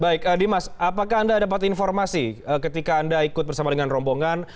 baik dimas apakah anda dapat informasi ketika anda ikut bersama dengan rombongan